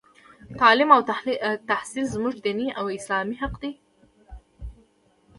تـعلـيم او تحـصيل زمـوږ دينـي او اسـلامي حـق دى.